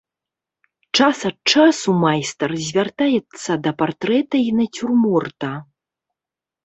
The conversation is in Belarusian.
Час ад часу майстар звяртаецца да партрэта і нацюрморта.